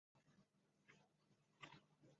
中华民国军事将领。